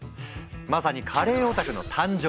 まさにカレーオタクの誕生！